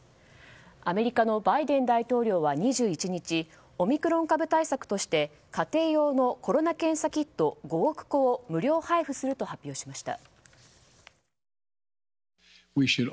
アメリカのバイデン大統領は２１日オミクロン株対策として家庭用のコロナ検査キット５億個を無料配布すると発表しました。